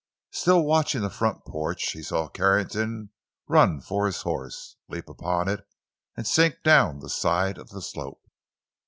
Still watching the front porch, he saw Carrington run for his horse, leap upon it and sink down the side of the slope.